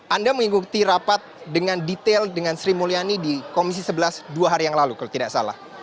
anda mengikuti rapat dengan detail dengan sri mulyani di komisi sebelas dua hari yang lalu kalau tidak salah